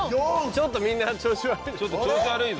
ちょっとみんな調子悪い。